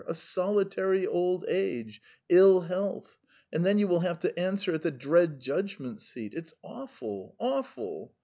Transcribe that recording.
A solitary old age, ill health; and then you will have to answer at the dread judgment seat. .. It's awful, awful.